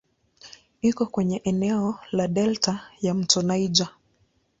Iko kwenye eneo la delta ya "mto Niger".